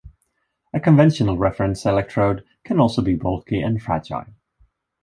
A conventional reference electrode can also be bulky and fragile.